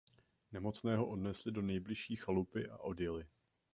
Nemocného odnesli do nejbližší chalupy a odjeli.